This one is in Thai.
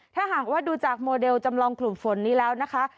ถ้าหากว่าดูจากโมเดลจำลองกลุ่มฝนนี้แล้วนะคะ